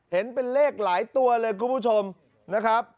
เห็นเป็นเลขหลายตัวเลยคุณผู้ชมนะครับ